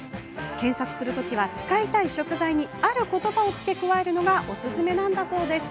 検索するときは使いたい食材にあることばを付け加えるのがおすすめなんだそうです。